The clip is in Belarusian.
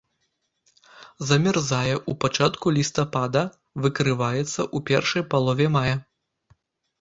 Замярзае ў пачатку лістапада, выкрываецца ў першай палове мая.